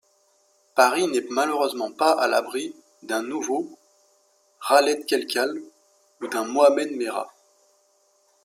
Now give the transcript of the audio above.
Paris n’est malheureusement pas à l’abri d’un nouveau Khaled Kelkal ou d’un Mohamed Merah.